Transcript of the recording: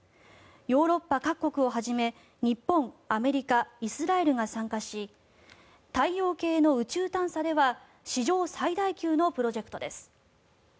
ヨーロッパ各国をはじめ日本、アメリカ、イスラエルが参加し太陽系の宇宙探査では史上最大級のプロジェクトです。